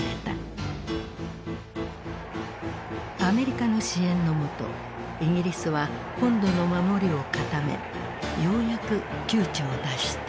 アメリカの支援のもとイギリスは本土の守りを固めようやく窮地を脱した。